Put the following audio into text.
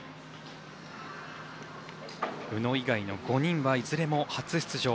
宇野以外の５人はいずれも初出場。